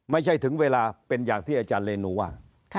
ไม่ใช่ถึงเวลาเป็นอย่างที่อาจารย์เรนูว่า